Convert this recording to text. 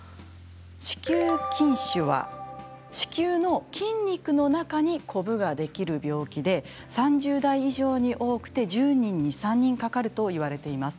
子宮筋腫は子宮の筋肉の中にこぶができる病気で３０代以上に多くて１０人に３人かかるといわれています。